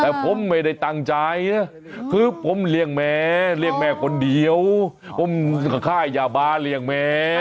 แต่ผมไม่ได้ตั้งใจคือผมเลี่ยงแหมเลี่ยงแหมคนเดียวผมข้ายยาบ้าเลี่ยงแหม